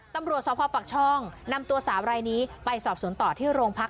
ตำรวจสพปักช่องนำตัวสาวรายนี้ไปสอบสวนต่อที่โรงพัก